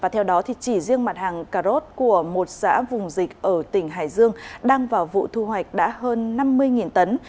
theo đó chỉ riêng mặt hàng cà rốt của một xã vùng dịch ở tỉnh hải dương đang vào vụ thu hoạch đã hơn năm mươi tấn